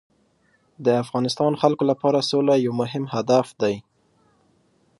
د افغانستان خلکو لپاره سوله یو مهم هدف دی.